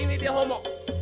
ini dia homo